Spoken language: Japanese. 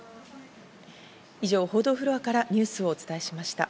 以上、報道フロアからニュースをお伝えしました。